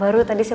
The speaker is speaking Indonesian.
captur amat aaa